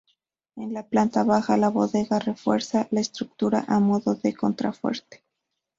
En la planta baja, la bodega refuerza la estructura a modo de contrafuerte.